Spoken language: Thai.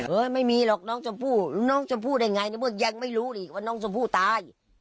เฮ้ยไม่มีหรอกน้องชมพู่น้องชมพู่ได้ไงยังไม่รู้ดิว่าน้องชมพู่ตาย